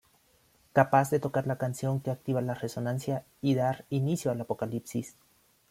Capaz de tocar la canción que activa la resonancia y dar inicio al Apocalipsis.